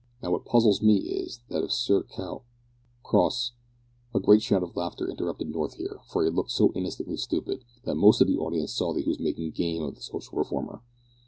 Now, what puzzles me is, that if Sir Cow Cross " A great shout of laughter interrupted North here, for he looked so innocently stupid, that most of the audience saw he was making game of the social reformer.